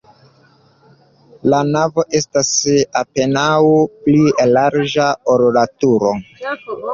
La navo estas apenaŭ pli larĝa, ol la turo.